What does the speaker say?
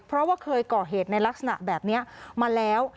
เพราะว่าเคยก่อเหตุในลักษณะแบบนี้มาแล้ว